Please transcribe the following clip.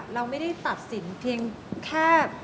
เราไม่ได้ตัดสินเพียงแค่